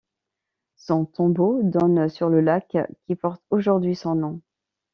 Son tombeau donne sur le lac qui porte aujourd'hui son nom.